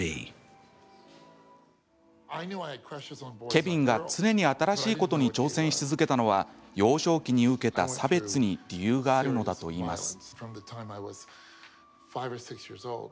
ケヴィンが常に新しいことに挑戦し続けたのは幼少期に受けた差別に理由があるのだといいます。